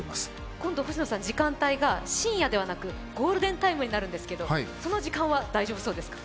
今度、時間帯が深夜ではなくゴールデンタイムになるんですが、その時間は大丈夫ですか？